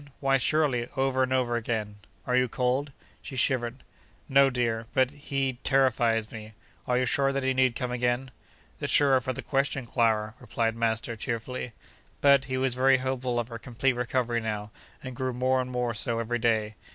Why, surely, over and over again! Are you cold?' (she shivered). 'No, dear—but—he terrifies me: are you sure that he need come again?' 'The surer for the question, Clara!' replied master, cheerfully. But, he was very hopeful of her complete recovery now, and grew more and more so every day.